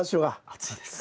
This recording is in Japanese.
暑いです。